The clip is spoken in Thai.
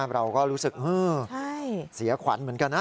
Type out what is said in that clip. เราก็รู้สึกเสียขวัญเหมือนกันนะ